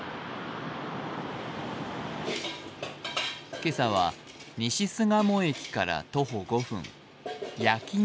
今朝は西巣鴨駅から徒歩５分焼肉